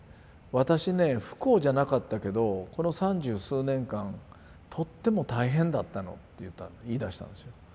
私ね不幸じゃなかったけどこの三十数年間とっても大変だったのって言いだしたんですよ。